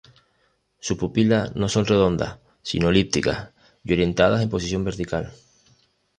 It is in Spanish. Sus pupilas no son redondas sino elípticas y orientadas en posición vertical.